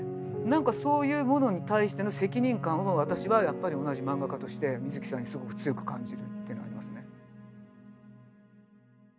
何かそういうものに対しての責任感を私はやっぱり同じ漫画家として水木さんにすごく強く感じるっていうのはありますね。